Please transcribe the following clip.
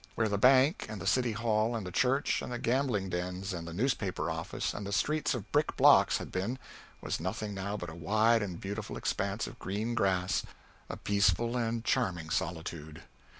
Where the bank, and the city hall, and the church, and the gambling dens, and the newspaper office, and the streets of brick blocks had been, was nothing now but a wide and beautiful expanse of green grass, a peaceful and charming solitude.